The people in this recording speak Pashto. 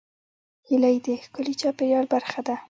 هیلۍ د ښکلي چاپېریال برخه ده